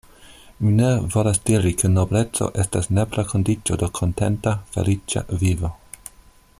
Mi nur volas diri, ke nobleco estas nepra kondiĉo de kontenta, feliĉa vivo.